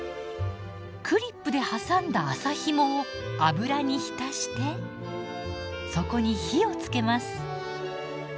クリップで挟んだ麻ひもを油に浸してそこに火をつけます。